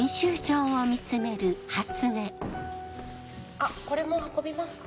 あっこれも運びますか？